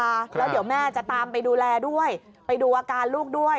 แล้วเดี๋ยวแม่จะตามไปดูแลด้วยไปดูอาการลูกด้วย